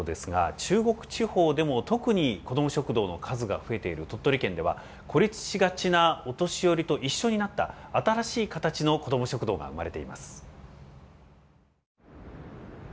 中国地方でも特にこども食堂の数が増えている鳥取県では孤立しがちなお年寄りと一緒になった新しい形のこども食堂が生まれています。